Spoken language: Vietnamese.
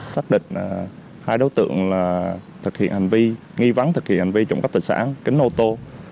xác định hai đối tượng là thực hiện hành vi nghi vấn thực hiện hành vi trộm cắp tài sản kính ô tô